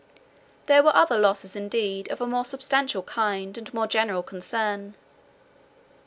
103 Their were other losses indeed of a more substantial kind, and more general concern.